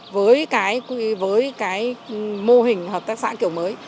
với cái mô hình hợp tác xã kiểu mới